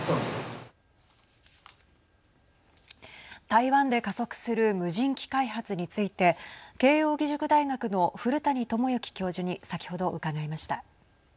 台湾で加速する無人機開発について慶應義塾大学の古谷知之教授に先ほど伺いました。